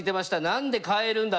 「何で変えるんだ？